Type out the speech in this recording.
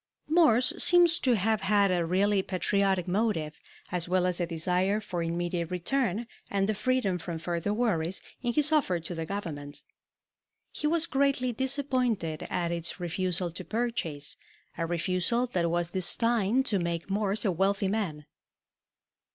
Morse seems to have had a really patriotic motive, as well as a desire for immediate return and the freedom from further worries, in his offer to the Government. He was greatly disappointed at its refusal to purchase, a refusal that was destined to make Morse a wealthy man.